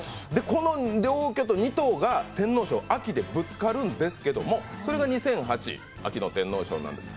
この両巨塔、２頭が天皇賞秋でぶつかるんですけど、それが２００８、秋の天皇賞なんです。